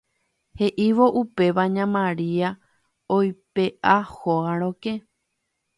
he'ívo upéva ña Maria oipe'a hóga rokẽ